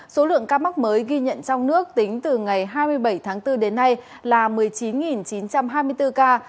số lượng ca mắc mới ghi nhận trong nước tính từ ngày hai mươi bảy tháng bốn đến nay là một mươi chín chín trăm hai mươi bốn ca